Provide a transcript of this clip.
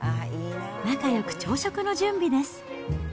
仲よく朝食の準備です。